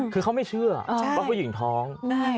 คือเขาไม่เชื่อว่าผู้หญิงท้อง